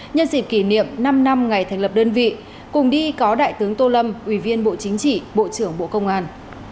nhân dịp kỷ niệm năm năm ngày thành lập đơn vị cùng đi có đại tướng tô lâm ủy viên bộ chính trị bộ trưởng bộ công an